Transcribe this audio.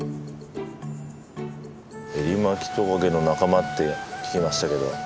エリマキトカゲの仲間って聞きましたけど。